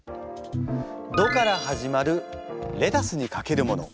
「ど」から始まるレタスにかけるものは？